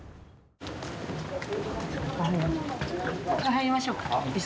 入りましょうか。